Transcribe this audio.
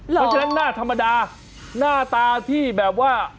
เพราะฉะนั้นหน้าธรรมดาหน้าตาที่แบบว่า